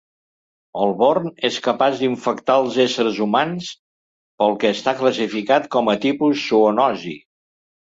El "Borm" és capaç d'infectar els éssers humans, pel que està classificat com a tipus zoonosi.